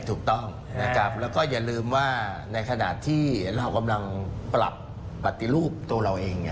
ถูกต้องนะครับแล้วก็อย่าลืมว่าในขณะที่เรากำลังปรับปฏิรูปตัวเราเอง